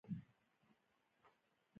د لوېدیځ څو نسلونه غافل کړي وو.